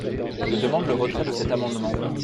Je demande le retrait de cet amendement.